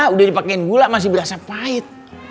udah dipakaiin gula masih berasa pahit